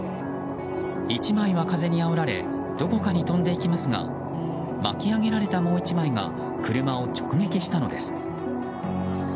１枚は風にあおられどこかに飛んでいきますが巻き上げられたもう１枚が車を直撃したのです。